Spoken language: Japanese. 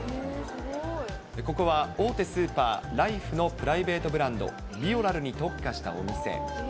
ここは大手スーパー、ライフのプライベートブランド、ビオラルに特化したお店。